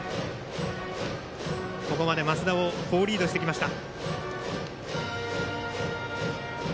ここまで升田を好リードしてきました。